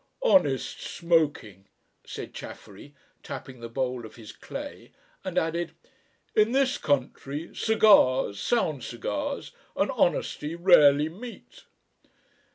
"Honest smoking," said Chaffery, tapping the bowl of his clay, and added: "In this country cigars sound cigars and honesty rarely meet."